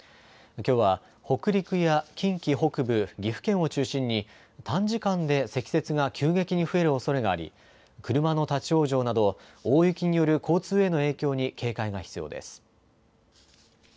きょうは北陸や近畿北部、岐阜県を中心に短時間で積雪が急激に増えるおそれがあり車の立往生など大雪による交通への影響に警戒が必要です。